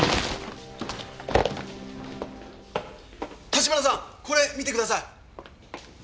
橘さんこれ見てください！